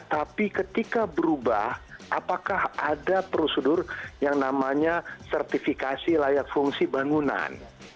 tapi ketika berubah apakah ada prosedur yang namanya sertifikasi layak fungsi bangunan